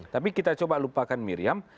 tapi kita coba lupakan miriam